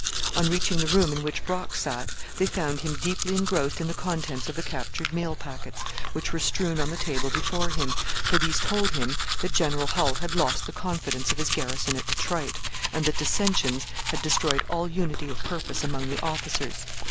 On reaching the room in which Brock sat, they found him deeply engrossed in the contents of the captured mail packets, which were strewn on the table before him, for these told him that General Hull had lost the confidence of his garrison at Detroit, and that dissensions had destroyed all unity of purpose among the officers.